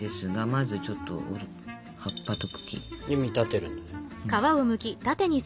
まずちょっと葉っぱと茎。に見立てるんだ。